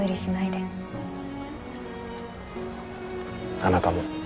あなたも。